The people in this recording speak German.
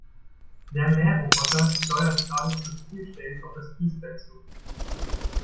Der Mähroboter steuert geradezu zielstrebig auf das Kiesbett zu.